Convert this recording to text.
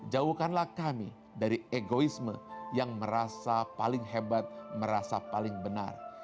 jauhkanlah kami dari egoisme yang merasa paling hebat merasa paling benar